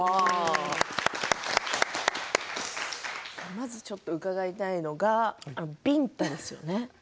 まずちょっと伺いたいのがビンタですよね。